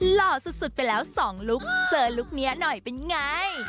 หล่อสุดไปแล้ว๒ลุคเจอลุคนี้หน่อยเป็นไง